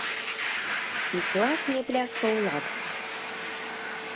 І клас мне пляскаў у ладкі.